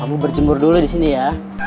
kamu berjemur dulu disini ya